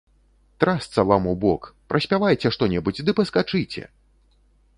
Трасца вам у бок, праспявайце што-небудзь ды паскачыце!